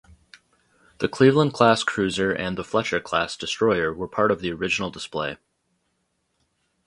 The "Cleveland"-class cruiser and the "Fletcher"-class destroyer were part of the original display.